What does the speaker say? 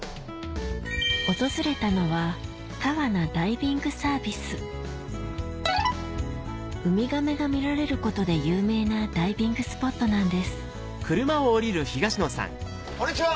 訪れたのはウミガメが見られることで有名なダイビングスポットなんですこんにちは！